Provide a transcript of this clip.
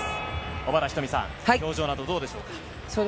小原日登美さん、表情などどうですか？